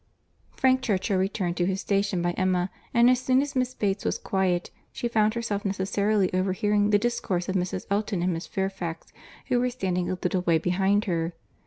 Frank Churchill returned to his station by Emma; and as soon as Miss Bates was quiet, she found herself necessarily overhearing the discourse of Mrs. Elton and Miss Fairfax, who were standing a little way behind her.